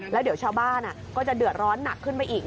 แล้วเดี๋ยวชาวบ้านก็จะเดือดร้อนหนักขึ้นไปอีก